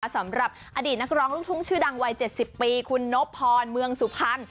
สำหรับอดีตนักร้องลูกทุ่งชื่อดังวัย๗๐ปีคุณนบพรเมืองสุพรรณ